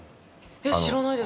知らないです。